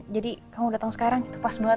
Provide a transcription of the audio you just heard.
jadi kamu datang sekarang itu pas banget